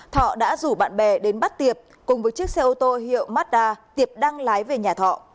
thọ đã rủ bạn bè đến bắt tiệp cùng với chiếc xe ô tô hiệu mazda tiệp đang lái về nhà thọ